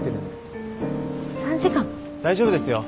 大丈夫ですよ。